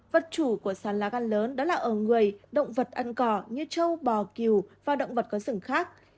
vật chủ của sán lá gan lớn đó là ở người động vật ăn cỏ như trâu bò kiều và động vật có sửng khác